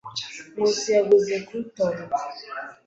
Nkusi yaguze croutons.